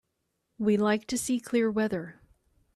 We like to see clear weather.